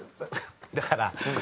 だから。